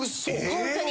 ホントに。